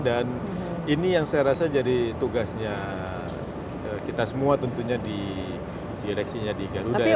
dan ini yang saya rasa jadi tugasnya kita semua tentunya di direksinya di garuda ya